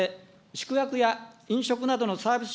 宿泊や飲食などのサービス